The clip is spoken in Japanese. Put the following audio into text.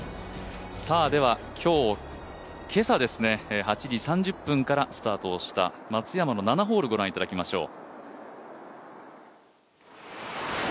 では今朝８時３０分からスタートをした松山の７ホールをご覧いただきましょう。